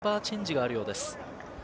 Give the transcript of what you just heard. メンバーチェンジがあるようです。